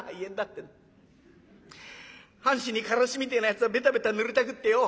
半紙にからしみてえなやつをベタベタ塗りたくってよ